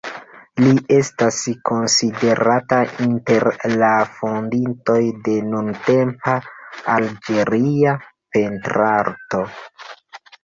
Li estas konsiderata inter la fondintoj de nuntempa Alĝeria pentrarto.